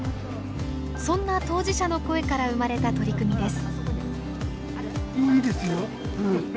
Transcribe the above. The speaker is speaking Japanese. そんな当事者の声から生まれた取り組みです。